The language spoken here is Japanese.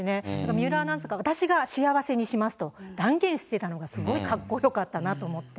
水卜アナウンサーが、私が幸せにしますと断言してたのが、すごいかっこよかったなと思って。